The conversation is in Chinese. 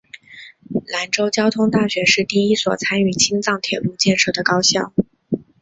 兰州交通大学是第一所参与青藏铁路建设的高校。